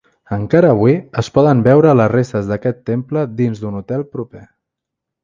Encara avui es poden veure les restes d'aquest temple dins d'un hotel proper.